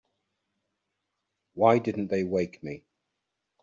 Why didn't they wake me?